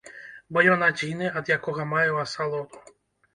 Бо ён адзіны, ад якога маю асалоду.